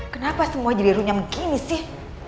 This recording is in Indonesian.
kenapa semua jerirunya begini sih